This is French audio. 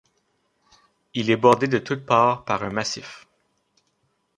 Il est bordé de toute part par un massif.